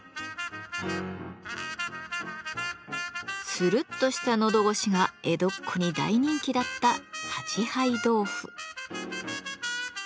ツルッとしたのど越しが江戸っ子に大人気だった「八杯豆腐」。